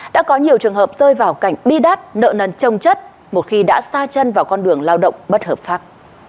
đã có nhiều trường hợp rơi vào cảnh bi đát nợ nần trông chất một khi đã xa chân vào con đường lao động bất hợp pháp